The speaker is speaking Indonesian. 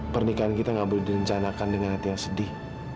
pernikahan kita nggak boleh direncanakan dengan hati yang sedih